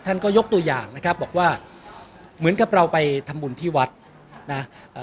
ก็ยกตัวอย่างนะครับบอกว่าเหมือนกับเราไปทำบุญที่วัดนะเอ่อ